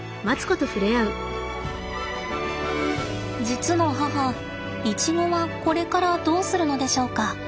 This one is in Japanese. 実の母イチゴはこれからどうするのでしょうか？